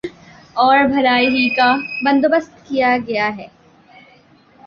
اور بھلائی ہی کا بندو بست کیا گیا ہے